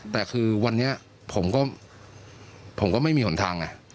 แต่คือวันนี้ผมก็ผมก็ไม่มีหนทางไง